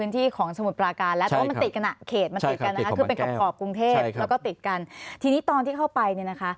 ทีนี้ตอนที่เข้าไป